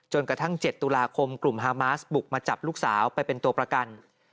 กระทั่ง๗ตุลาคมกลุ่มฮามาสบุกมาจับลูกสาวไปเป็นตัวประกัน